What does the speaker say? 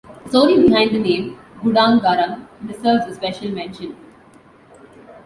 The story behind the name "Gudang Garam" deserves a special mention.